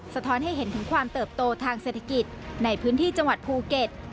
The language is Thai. ท้อนให้เห็นถึงความเติบโตทางเศรษฐกิจในพื้นที่จังหวัดภูเก็ต